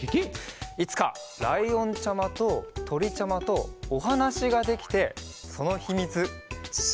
いつかライオンちゃまととりちゃまとおはなしができてそのひみつしれたらいいね。